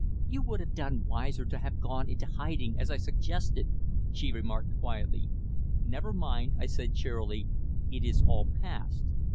"You would have done wiser to have gone into hiding, as I suggested," she remarked quietly. "Never mind," I said cheerily. "It is all past.